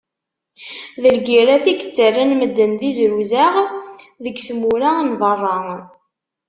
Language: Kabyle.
D lgirrat i yettarran medden d izruzaɣ deg tmura n berra.